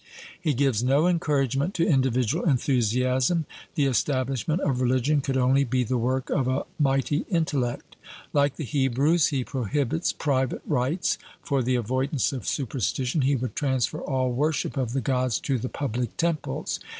He gives no encouragement to individual enthusiasm; 'the establishment of religion could only be the work of a mighty intellect.' Like the Hebrews, he prohibits private rites; for the avoidance of superstition, he would transfer all worship of the Gods to the public temples.